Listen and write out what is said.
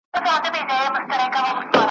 مخ يې تور په ونه جگ په اوږو پلن وو `